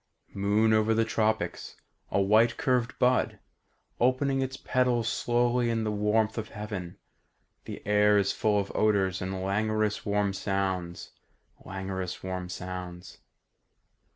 "Moon over the tropics, A white curved bud Opening its petals slowly in the warmth of heaven. The air is full of odours And languorous warm sounds ... languorous warm sounds.